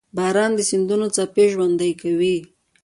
• باران د سیندونو څپې ژوندۍ کوي.